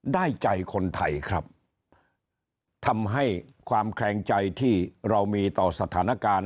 ได้ใจคนไทยครับทำให้ความแคลงใจที่เรามีต่อสถานการณ์